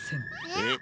えっ？